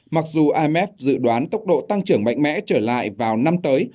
mặc dù imf dự đoán tốc độ tăng trưởng mạnh mẽ trở lại vào năm tới